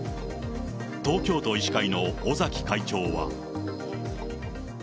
東京都医師会の尾崎会長は。